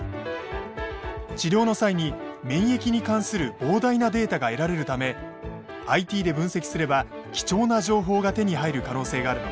治療の際に免疫に関する膨大なデータが得られるためＩＴで分析すれば貴重な情報が手に入る可能性があるのです。